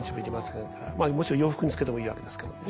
もちろん洋服につけてもいいわけですけども。